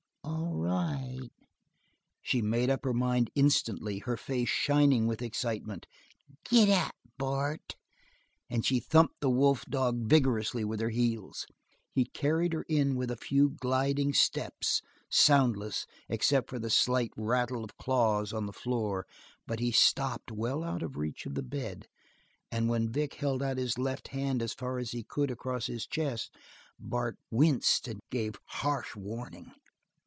"All right." She made up her mind instantly, her face shining with excitement. "Giddap, Bart." And she thumped the wolf dog vigorously with her heels. He carried her in with a few gliding steps, soundless, except for the light rattle of claws on the floor, but he stopped well out of reach of the bed and when Vic held his left hand as far as he could across his chest, Bart winced and gave harsh warning.